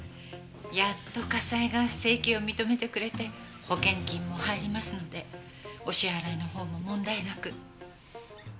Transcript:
やっと家裁が請求を認めてくれて保険金も入りますのでお支払いのほうも問題なく。